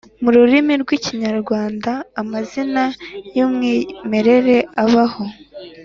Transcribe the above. mu rurimi rw’Ikimyarwanda, amazina y’umwimerere abaho